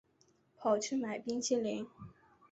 跑去买冰淇淋